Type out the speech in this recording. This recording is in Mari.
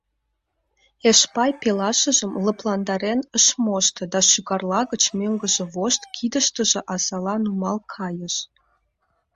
Эшпай пелашыжым лыпландарен ыш мошто да шӱгарла гыч мӧҥгыжӧ вошт кидыштыже азала нумал кайыш.